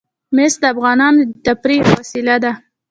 مس د افغانانو د تفریح یوه وسیله ده.